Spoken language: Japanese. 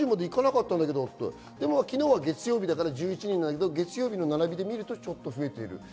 昨日は月曜日だから１１人だけど、月曜日の並びで見ると増えている。